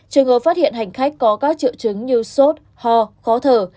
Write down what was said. trường hợp phát hiện hành khách có các triệu chứng như sốt ho khó thở